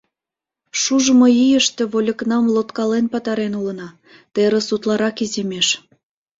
Шужымо ийыште вольыкнам лодкален пытарен улына, терыс утларак иземеш.